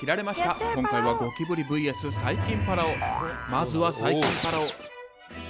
まずは細菌パラオ。